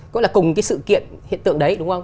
cái sự kiện hiện tượng đấy đúng không